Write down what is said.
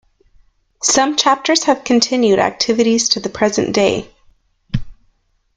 Some chapters have continued activities to the present day.